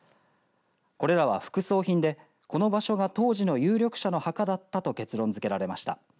これらは副葬品でこの場所が当時の有力者の墓だったと結論づけられました。